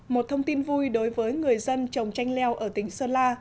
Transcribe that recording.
một thông tin vui đối với người dân trồng tranh leo ở tỉnh sơn la